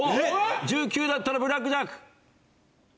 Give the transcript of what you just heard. １９だったらブラックジャック。